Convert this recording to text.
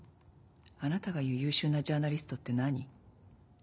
あなたが言う優秀なジャーナリストって何？